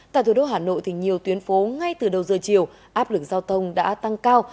tại thủ đô hà nội nhiều tuyến phố ngay từ đầu giờ chiều áp lực giao thông đã tăng cao